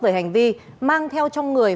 về hành vi mang theo trong người